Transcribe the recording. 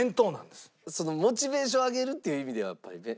モチベーションを上げるっていう意味ではやっぱりね。